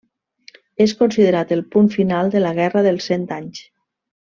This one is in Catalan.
És considerat el punt final de la Guerra dels Cent Anys.